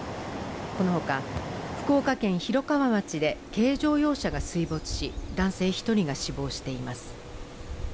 この他、福岡県広川町で軽乗用車が水没し、男性１人が死亡しています。